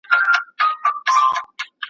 پېژندنه او د تاريخي جغرافيې مطالعه ئې